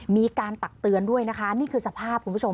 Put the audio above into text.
ตักเตือนด้วยนะคะนี่คือสภาพคุณผู้ชม